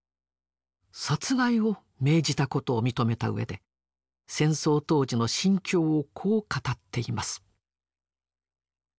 殺害を命じたことを認めたうえで戦争当時の心境をこう語っています。